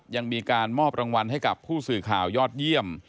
ยังมีการมอบรางวัลให้กับผู้สื่อข่าวยอดเยี่ยม